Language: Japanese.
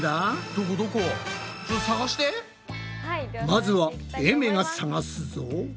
まずはえめがさがすぞ。